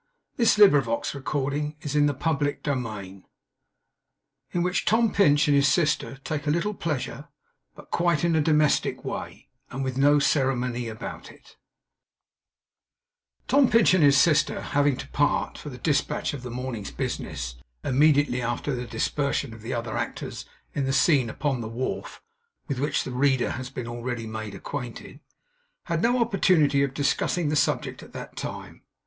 I shall travel home alone.' CHAPTER FORTY FIVE IN WHICH TOM PINCH AND HIS SISTER TAKE A LITTLE PLEASURE; BUT QUITE IN A DOMESTIC WAY, AND WITH NO CEREMONY ABOUT IT Tom Pinch and his sister having to part, for the dispatch of the morning's business, immediately after the dispersion of the other actors in the scene upon the wharf with which the reader has been already made acquainted, had no opportunity of discussing the subject at that time.